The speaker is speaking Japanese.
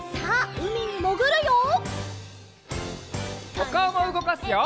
おかおもうごかすよ！